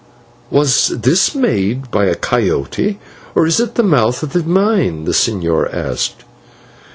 "Was this made by a /coyote/, or is it the mouth of the mine?" the señor asked.